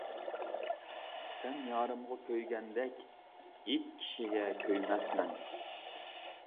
سەن يارىمغا كۆيگەندەك, ھېچ كىشىگە كۆيمەسمەن.